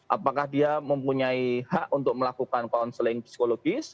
apakah dia mempunyai hak untuk melakukan konseling psikologis